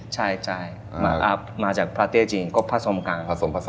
ใช่มาจากประเทศจีนก็ผสมกัน